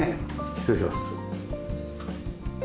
失礼します。